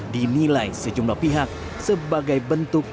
dinilai sejumlah pihak sebagai bentuk